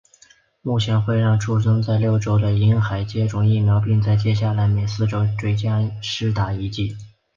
目前会让出生六周的婴孩接种疫苗并在接下来每四周追加施打一剂。